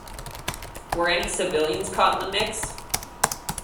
Were any civilians caught in the mix?